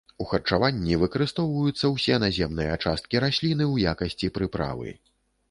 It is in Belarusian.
У харчаванні выкарыстоўваюцца ўсе наземныя часткі расліны ў якасці прыправы.